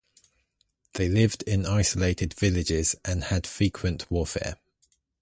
They lived in isolated villages and had frequent warfare.